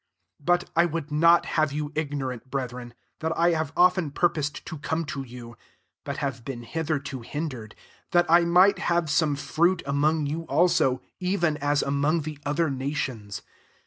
13 But I would not have you ' ignorarit, brethren, that I have often purposed to come to you, (but have been hitherto hin dered) thdt I might have some fruit among you also, even as among the other nations.